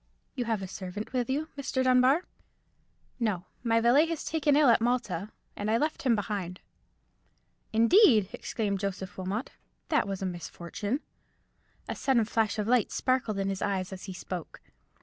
"You have a servant with you, Mr. Dunbar?" "No, my valet was taken ill at Malta, and I left him behind." "Indeed!" exclaimed Joseph Wilmot; "that was a misfortune." A sudden flash of light sparkled in his eyes as he spoke.